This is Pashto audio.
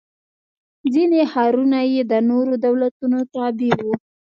ځیني ښارونه یې د نورو دولتونو تابع و.